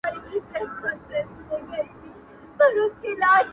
لپی لپی یې لا ورکړل غیرانونه-